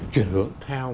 chuyển hướng theo